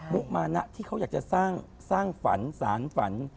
ุมานะที่เขาอยากจะสร้างฝันสารฝัน